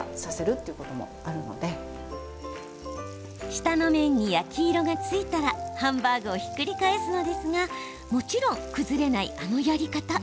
下の面に焼き色がついたらハンバーグをひっくり返すのですがもちろん崩れない、あのやり方。